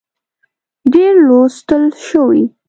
ډېر لوستل شوي